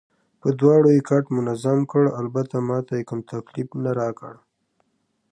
په دواړو یې کټ منظم کړ، البته ما ته یې کوم تکلیف نه راکړ.